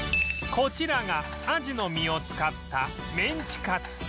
こちらがアジの身を使ったメンチカツ